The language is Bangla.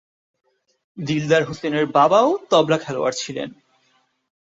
দিলদার হুসেনের বাবাও তবলা-খেলোয়াড় ছিলেন।